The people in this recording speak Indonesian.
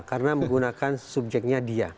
karena menggunakan subjeknya dia